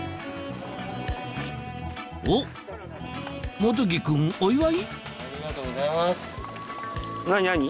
おっ元基君お祝い？